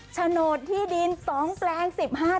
โฉนดที่ดินสองแปลงสิบห้าไร่